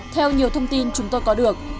theo nhiều thông tin chúng tôi có được